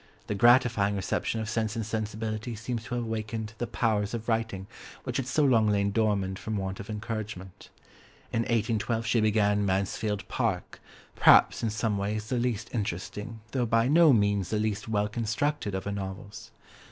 The gratifying reception of Sense and Sensibility seems to have awakened the powers of writing which had so long lain dormant from want of encouragement. In 1812 she began Mansfield Park, perhaps in some ways the least interesting, though by no means the least well constructed, of her novels.